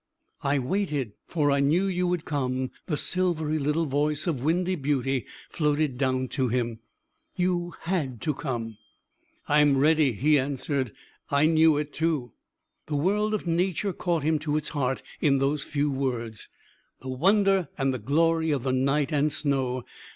"I waited, for I knew you would come," the silvery little voice of windy beauty floated down to him. "You had to come." "I'm ready," he answered, "I knew it too." The world of Nature caught him to its heart in those few words the wonder and the glory of the night and snow.